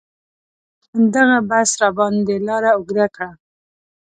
دغه بس راباندې لاره اوږده کړه.